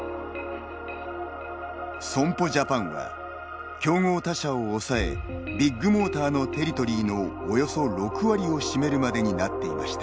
損保ジャパンは、競合他社を抑えビッグモーターのテリトリーのおよそ６割を占めるまでになっていました。